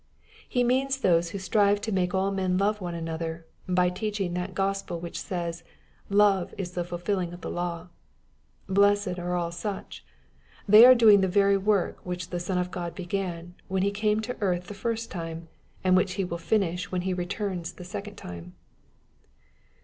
He means those who strive to make all men love one another, by teaching that Gospel which says, " love is the fulfilling of the law." Blessed are all such 1 They are doing the very work which the Son of God began, when he came to earth the first time, and which He will finish when He returns the second time.